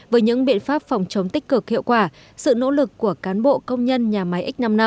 với những biện pháp phòng chống tích cực hiệu quả sự nỗ lực của cán bộ công nhân nhà máy x năm mươi